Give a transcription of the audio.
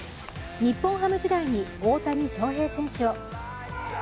日本ハム時代に大谷翔平を。